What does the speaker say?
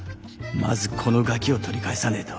まずこのガキを取り返さねえと。